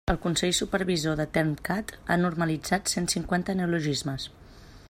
El Consell Supervisor del Termcat ha normalitzat cent cinquanta neologismes.